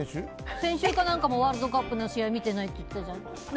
先週か何かもワールドカップの試合見てないって言ってたじゃん。